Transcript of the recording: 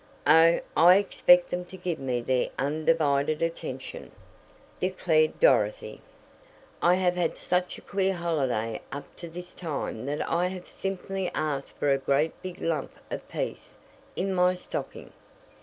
"Oh, I expect them to give me their undivided attention," declared Dorothy. "I have had such a queer holiday up to this time that I have simply asked for a great big lump of 'peace' in my stocking."